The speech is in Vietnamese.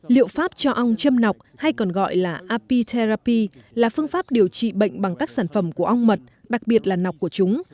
liệu pháp cho ong châm nọc hay còn gọi là apitherapy là phương pháp điều trị bệnh bằng các sản phẩm của ong mật đặc biệt là nọc của chúng